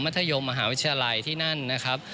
ธยมมหาวิทยาลัยที่นั่นนะครับ